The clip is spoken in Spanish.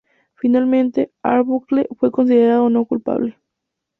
Finalmente Arbuckle fue considerado no culpable.